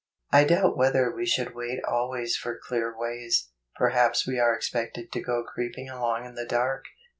I doubt whether we should wait always for clear ways; perhaps we are ex¬ pected to go creeping along in the dark.